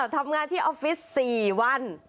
ทำงานที่ออฟฟิศ๔วัน